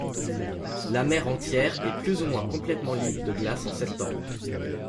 La mer entière est plus ou moins complètement libre de glace en septembre.